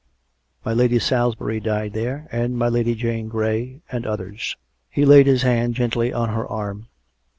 Mj Lady Salisbury died there, and my Lady Jane Grey, and others." He laid his hand gently on her arm.